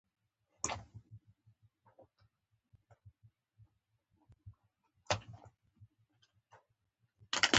کله چې خلکو ته په دوامداره توګه ویل کېږي